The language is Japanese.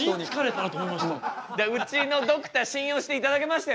うちのドクター信用していただけましたよね？